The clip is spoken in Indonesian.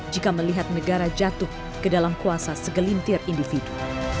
jika melihat negara jatuh ke dalam kuasa segelintir individu